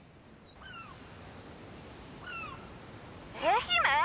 愛媛？